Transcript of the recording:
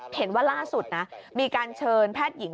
เห็นว่าล่าสุดนะมีการเชิญแพทย์หญิง